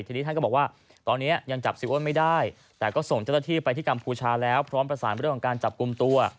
ทีนี้ท่านก็บอกว่าตอนนี้ยังจับเสียอ้วนไม่ได้แต่ก็ส่งเจ้าหน้าที่ไปที่กัมพูชาแล้วพร้อมประสานเรื่องของการจับกลุ่มตัว